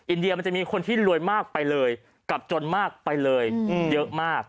อินเดียมันจะมีคนที่รวยมากไปเลยกับจนมากไปเลยเยอะมาก